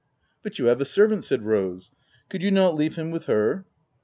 " But you have a servant," said Rose ;" could you not leave him with her?